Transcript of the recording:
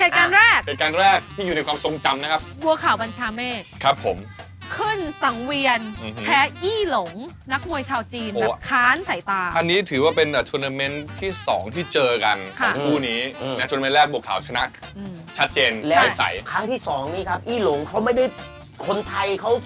การแรกที่อยู่ในความทรงจำนะครับบัวข่าวบัญชาเมฆครับผมขึ้นสั่งเวียนอื้อหือแพ้อี่หลงนักมวยชาวจีนแบบค้านใส่ตาอันนี้ถือว่าเป็นอ่ะทรวนาเมนต์ที่สองที่เจอกันค่ะของผู้นี้อืมในทรวนาเมนต์แรกบวกข่าวชนะอืมชัดเจนใช้ใสและครั้งที่สองนี้ครับอี่หลงเขาไม่ได้